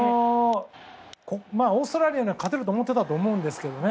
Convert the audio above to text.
オーストラリアには勝てると思ってたと思うんですけどね。